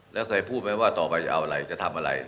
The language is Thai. แล้วเคยพูดไหมว่าต่อไปจะเอาอะไรจะทำอะไร